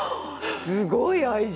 すごい愛情。